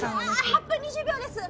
あぁ８分２０秒です。